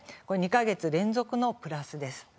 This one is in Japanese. ２か月連続のプラスです。